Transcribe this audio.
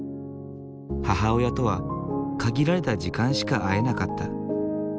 母親とは限られた時間しか会えなかった。